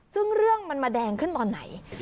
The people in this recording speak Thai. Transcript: ซึ่งเรื่องมันมาแดงขึ้นตอนไหน